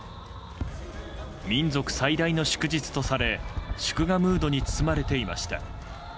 民族最大の祝日とされ祝賀ムードに包まれていました。